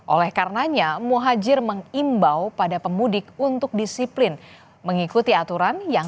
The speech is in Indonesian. oleh karenanya muhajir mengimbau pada pemudik untuk diselamatkan